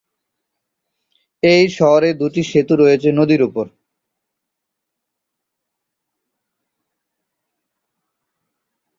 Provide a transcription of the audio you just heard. এই শহরে দুটি সেতু রয়েছে নদীর উপর।